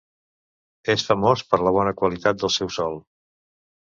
És famós per la bona qualitat del seu sol.